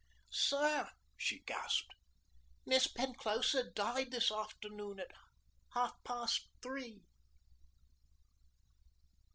"Sir," she gasped, "Miss Penclosa died this afternoon at half past three!"